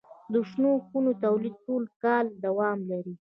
د شنو خونو تولید ټول کال دوام لري.